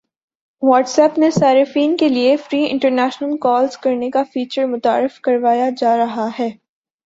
what's app نے صارفین کی لیے فری انٹرنیشنل کالز کرنے کا فیچر متعارف کروایا جا رہا ہے